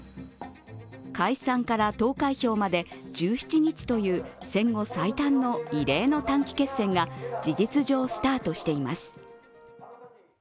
解散から投開票まで１７日という戦後最短の異例の短期決戦が事実上、スタートしています。